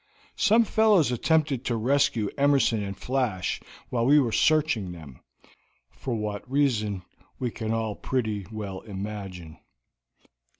"Some fellows attempted to rescue Emerson and Flash while we were searching them; for what reason we can all pretty well imagine."